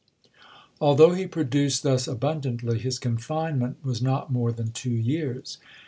Although he produced thus abundantly, his confinement was not more than two years.